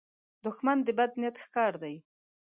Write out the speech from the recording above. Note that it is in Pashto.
دښمن د بد نیت ښکار دی